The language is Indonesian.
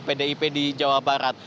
pdip jawa barat